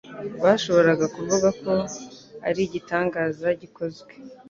Bashoboraga kuvuga ko ari nk'igitangaza gikozwe;